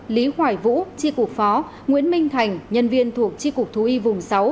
lý hoài vũ chi cục phó nguyễn minh thành nhân viên thuộc chi cục thú y vùng sáu